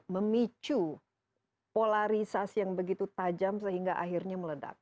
memicu polarisasi yang begitu tajam sehingga akhirnya meledak